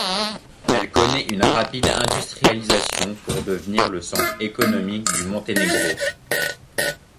Elle connaît une rapide industrialisation pour devenir le centre économique du Monténégro.